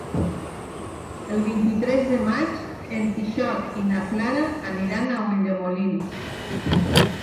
El vint-i-tres de maig en Quixot i na Clara aniran a Ulldemolins.